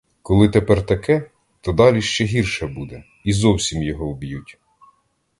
Коли тепер таке, то далі ще гірше буде: і зовсім його вб'ють.